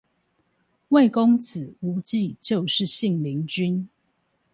魏公子無忌就是信陵君